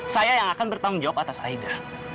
saya yang akan bertanggung jawab atas aida